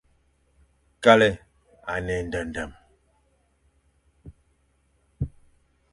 Kale à ne éndendem,